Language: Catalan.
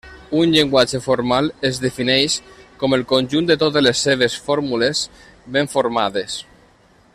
Un llenguatge formal es defineix com el conjunt de totes les seves fórmules ben formades.